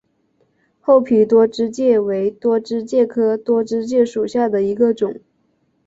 厚皮多枝介为多枝介科多枝介属下的一个种。